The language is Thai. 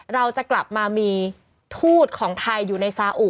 เราจะกลับมามีทูตของไทยอยู่ในซาอุ